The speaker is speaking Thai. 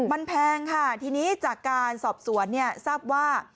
มันแพงค่ะทีนี้จากการสอบสวนเนี่ยทราบว่า